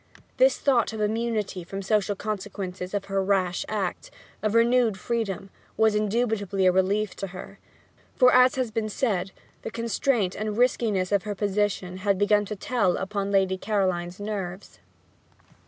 This thought of immunity from the social consequences of her rash act, of renewed freedom, was indubitably a relief to her, for, as has been said, the constraint and riskiness of her position had begun to tell upon the Lady Caroline's nerves.